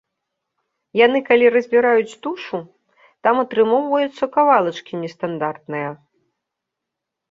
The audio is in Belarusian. Яны калі разбіраюць тушу, там атрымоўваюцца кавалачкі нестандартныя.